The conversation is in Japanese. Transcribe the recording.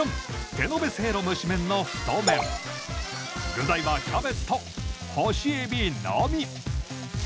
具材はキャベツと干しエビのみ。